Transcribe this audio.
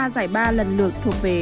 ba giải ba lần lượt thuộc về